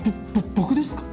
僕ですか？